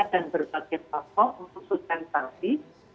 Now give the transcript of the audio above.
dan berbagai platform untuk sustentasi